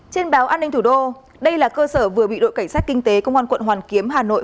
trên báo an ninh thủ đô đây là cơ sở vừa bị đội cảnh sát kinh tế công an quận hoàn kiếm hà nội